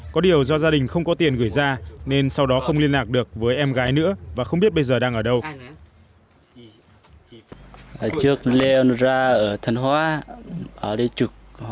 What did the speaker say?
có điều do gia đình không có tiền gửi ra nên sau đó không liên lạc được với em gái nữa và không biết bây giờ đang ở đâu